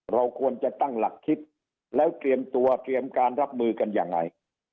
เราควรจะตั้งหลักคิดแล้วเตรียมตัวเตรียมการรับมือกันยังไง